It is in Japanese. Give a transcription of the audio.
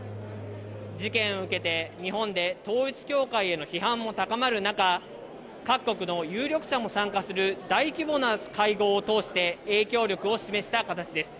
事件を受けて、日本で統一教会への批判も高まる中、各国の有力者も参加する大規模な会合を通して、影響力を示した形です。